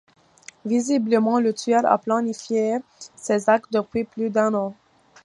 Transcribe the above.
Visiblement le tueur a planifié ses actes depuis plus d'un an.